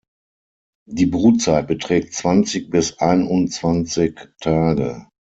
Die Brutzeit beträgt zwanzig bis einundzwanzig Tage.